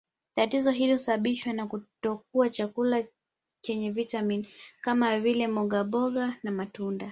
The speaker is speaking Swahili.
Tatizo hili husababishwa na kutokula chakula chenye vitamini kama vile mbogamboga na matunda